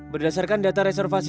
berdasarkan data reservasi